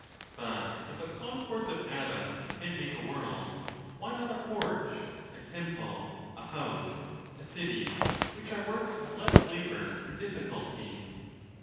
But if a concourse of atoms can make a world, why not a porch, a temple, a house, a city, which are works of less labor and difficulty